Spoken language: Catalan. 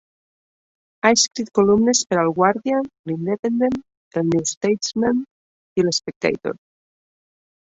Ha escrit columnes per al Guardian, l'Independent, el New Statesman i l'Spectator.